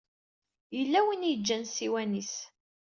Yella win i yeǧǧan ssiwan-is.